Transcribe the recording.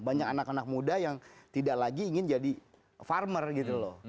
banyak anak anak muda yang tidak lagi ingin jadi farmer gitu loh